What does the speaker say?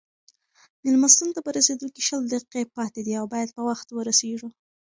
مېلمستون ته په رسېدو کې شل دقیقې پاتې دي او باید په وخت ورسېږو.